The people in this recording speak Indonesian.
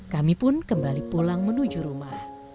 kami pun kembali pulang menuju rumah